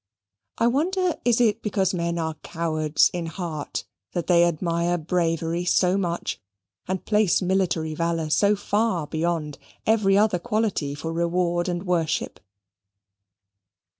I wonder is it because men are cowards in heart that they admire bravery so much, and place military valour so far beyond every other quality for reward and worship?